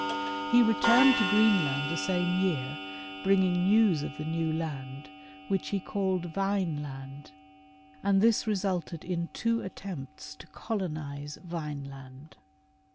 He returned to Greenland the same year, bringing news of the new land, which he called Vine land, and this resulted in two attempts to colonize Vineland.